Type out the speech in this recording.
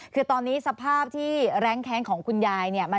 คือตอนนี้สภาพที่แรงแค้นของคุณยายเนี่ย